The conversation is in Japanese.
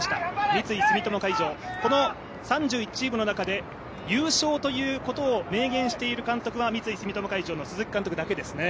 三井住友海上、この３１チームの中で優勝ということを明言している監督は三井住友海上の監督だけですね。